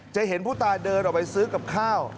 เห็นผู้ตายเดินออกไปซื้อกับข้าว